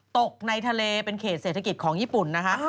ตกในทะเลเป็นเขตเศรษฐกิจของญี่ปุ่นนะคะ